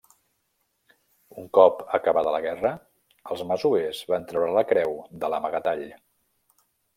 Un cop acabada la guerra, els masovers van treure la creu de l'amagatall.